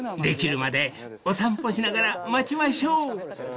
［できるまでお散歩しながら待ちましょう］